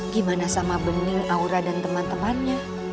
gimana sama bening aura dan teman temannya